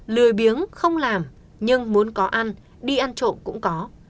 lừa biếng không làm nhưng muốn có ăn đi ăn trộm cũng có